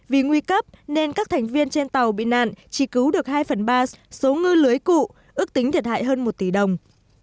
vì nguy cấp nên các thành viên trên tàu bị nạn chỉ cứu được hai phần ba số ngư lưới cụ ước tính thiệt hại hơn một tỷ đồng